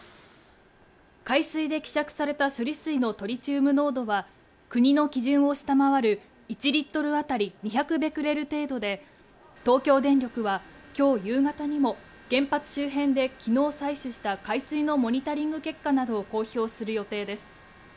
海水で希釈された処理水のトリチウム濃度は、国の基準を下回る１リットル当たり２００ベクレル程度で東京電力はきょう夕方にも原発周辺できのう採取した海水のモニタリング結果などを公表する予定です。